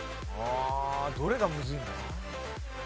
どれがむずいんだ？